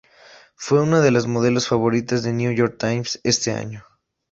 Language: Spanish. Fue una de las modelos favoritas de "New York Times" ese año.